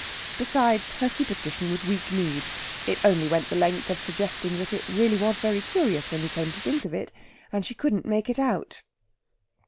Besides, her superstition was weak kneed. It only went the length of suggesting that it really was very curious when you came to think of it, and she couldn't make it out.